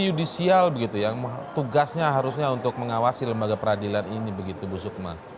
yudisial begitu yang tugasnya harusnya untuk mengawasi lembaga peradilan ini begitu bu sukma